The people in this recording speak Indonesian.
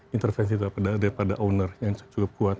intervensi daripada owner yang cukup kuat